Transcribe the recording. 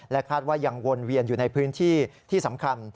คาดว่ายังวนเวียนอยู่ในพื้นที่ที่สำคัญ